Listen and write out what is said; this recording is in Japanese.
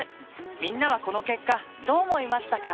みんなはこの結果どう思いましたか？